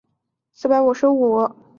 本鱼栖息于珊瑚礁。